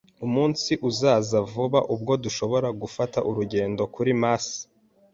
Umunsi uzaza vuba ubwo dushobora gufata urugendo kuri Mars